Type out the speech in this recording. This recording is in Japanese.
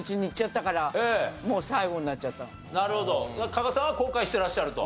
加賀さんは後悔してらっしゃると。